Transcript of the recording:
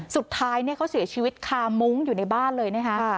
สุดท้ายเขาเสียชีวิตคามุ้งอยู่ในบ้านเลยนะคะ